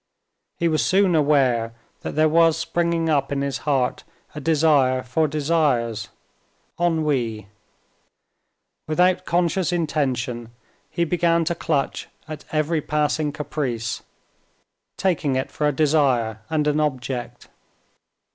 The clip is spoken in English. He was soon aware that there was springing up in his heart a desire for desires—ennui. Without conscious intention he began to clutch at every passing caprice, taking it for a desire and an object.